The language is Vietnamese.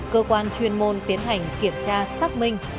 cơ quan chuyên môn tiến hành kiểm tra xác minh